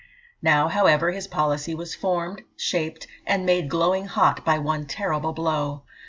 Now, however, his policy was formed, shaped, and made glowing hot by one terrible blow.